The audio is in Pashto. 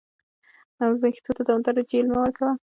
ویښتو ته دوامداره جیل مه ورکوه.